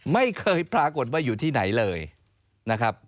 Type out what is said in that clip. ไม่เคยปรากฏว่าอยู่ที่ไหนเลยนะครับ